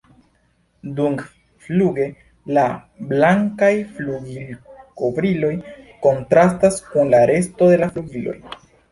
Dumfluge la blankaj flugilkovriloj kontrastas kun la resto de la flugiloj.